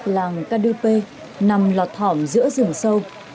làng cadupe nằm lọt thỏm giữa rừng sâu